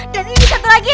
dan ini satu lagi